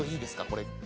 これ。